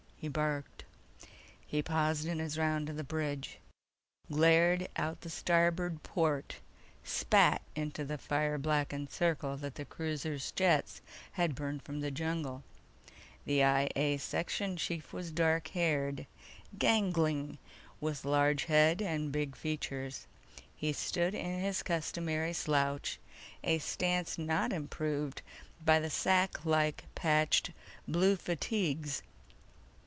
he barked. He paused in his round of the bridge, glared out the starboard port, spat into the fire blackened circle that the cruiser's jets had burned from the jungle. The I A section chief was dark haired, gangling, with large head and big features. He stood in his customary slouch, a stance not improved by sacklike patched blue fatigues.